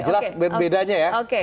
jelas bedanya ya